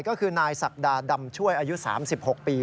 ก็คือนายศักดาดำช่วยอายุ๓๖ปี